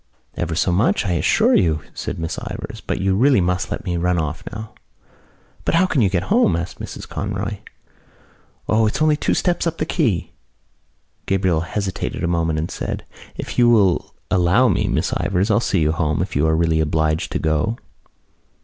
"Ever so much, I assure you," said Miss Ivors, "but you really must let me run off now." "But how can you get home?" asked Mrs Conroy. "O, it's only two steps up the quay." Gabriel hesitated a moment and said: "If you will allow me, Miss Ivors, I'll see you home if you are really obliged to go."